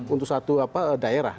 untuk satu daerah